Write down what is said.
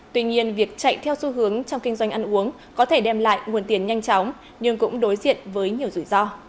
tuy nhiên việc chạy theo xu hướng trong kinh doanh ăn uống có thể đem lại nguồn tiền nhanh chóng nhưng cũng đối diện với nhiều rủi ro